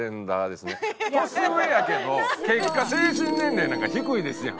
年上やけど結果精神年齢なんか低いですやん。